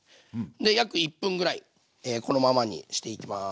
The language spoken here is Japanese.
で約１分ぐらいこのままにしていきます。